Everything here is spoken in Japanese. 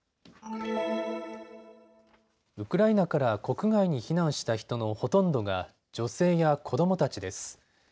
ウクライナから国外に避難した人のほとんどが女性や子どもたちです。